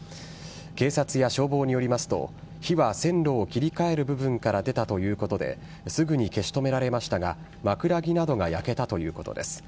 警察や消防によりますと火は線路を切り替える部分から出たということですぐに消し止められましたが枕木などが焼けたということです。